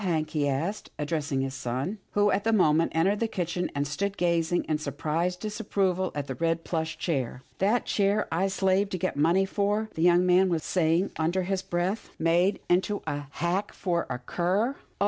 Hank?" he asked, addressing his son, who at that moment entered the kitchen, and stood gazing in surprised disapproval at the red plush chair. " That chair I slaved to get money for," the young man was saying under his breath, " made into 114 ^TILDA JANE'S ORPHANS a hack for a cur — Oh